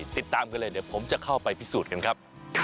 ติดตามกันเลยเดี๋ยวผมจะเข้าไปพิสูจน์กันครับ